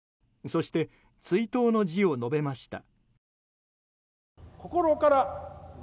そして、追悼の辞を述べました。